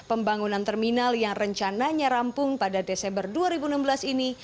pembangunan terminal yang rencananya rampung pada desember dua ribu enam belas ini